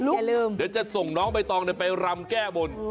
จ๋าลืมเดี๋ยวจะส่งน้องไปตรงนี้ไปรำแก้บน